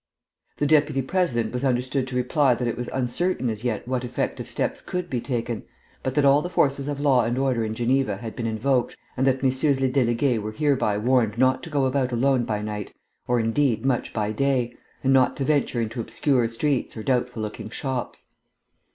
The Deputy President was understood to reply that it was uncertain as yet what effective steps could be taken, but that all the forces of law and order in Geneva had been invoked, and that MM. les Délégués were hereby warned not to go about alone by night, or, indeed, much by day, and not to venture into obscure streets or doubtful looking shops. Mademoiselle the delegate from Roumania demanded the word.